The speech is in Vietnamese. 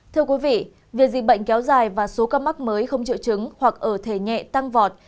thưa quý vị việc dịch bệnh kéo dài và số ca mắc mới không triệu chứng hoặc ở thể nhẹ tăng vọt